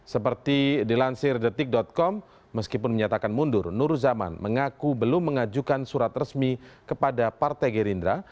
seperti dilansir detik com meskipun menyatakan mundur nur zaman mengaku belum mengajukan surat resmi kepada partai gerindra